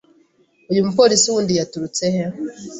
Uyu mupolisi wundi yaturutse he?